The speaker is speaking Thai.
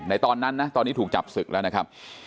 ตอนนั้นนะตอนนี้ถูกจับศึกแล้วนะครับ